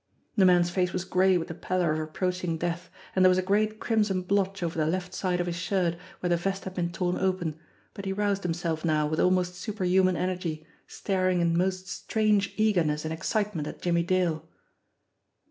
The man's face was gray with the pallor of approaching death, and there was a great crimson blotch over the left side of his shirt where the vest had been torn open, but he roused himself now with almost superhuman energy, staring in most strange eagerness and excitement at Jimmie Dale.